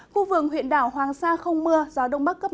khu vườn huyện đảo hoàng sa không mưa gió đông bắc cấp năm